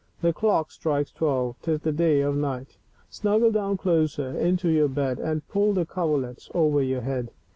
The C/^c/^ strikes twelve ; Tisthe dead of Night. Snuggle down closer ^® Into your A«^, «""> And pull the Cover ie ts ^'^ j Over your Head